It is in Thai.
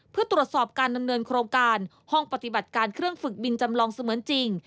เพื่อตรวจสอบการดำเนินโครงการห้องปฏิบัติการเครื่องฝึกบินจำลองเสมือนจริง